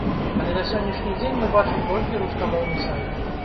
Але на сённяшні дзень мы бачым толькі рускамоўны сайт.